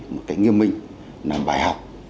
một cái nghiêm minh làm bài học